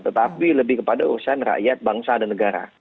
tetapi lebih kepada urusan rakyat bangsa dan negara